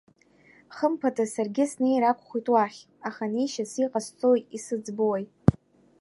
Хымԥада саргьы снеир акәхоит уахь, аха неишьас иҟасҵои, исыӡбои?